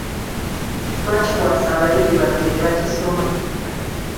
Twakikwasa abayizi baffe ne bakisoma.